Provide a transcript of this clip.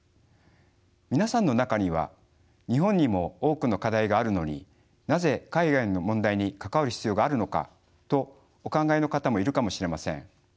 皆さんの中には日本にも多くの課題があるのになぜ海外の問題に関わる必要があるのかとお考えの方もいるかもしれません。